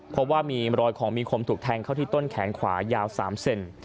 เพราะว่ามีรอยของมีคมถูกแทงเข้าที่ต้นแขนขวายาว๓เซน